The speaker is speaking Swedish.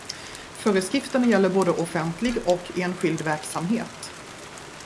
Föreskrifterna gäller både offentlig och enskild verksamhet.